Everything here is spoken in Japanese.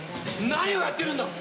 何をやってるんだ！